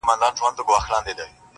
• د باوړۍ اوبه مي هر ګړی وچېږي -